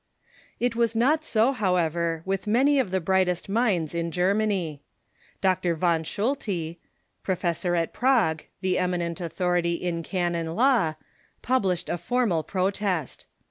It was not so, however, with many of the brightest minds in Germany. Dr. Van Schulte, professor at Prague, the eminent authority in canon law, published a formal protest.